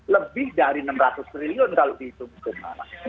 lebih dari enam ratus triliun kalau di jumat jumat